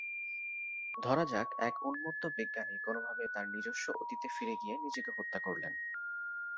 ধরা যাক এক উন্মত্ত বিজ্ঞানী কোনভাবে তার নিজস্ব অতীতে ফিরে গিয়ে নিজেকে হত্যা করলেন।